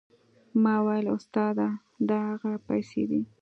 ما وويل استاده دا هغه پيسې دي.